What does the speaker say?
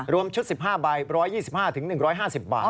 ชุด๑๕ใบ๑๒๕๑๕๐บาท